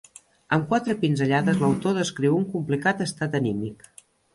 Amb quatre pinzellades l'autor descriu un complicat estat anímic.